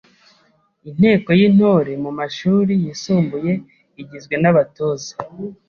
Inteko y’Intore mu mashuri yisumbuye igizwe n’abatoza